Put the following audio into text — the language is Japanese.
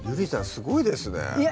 すごいですね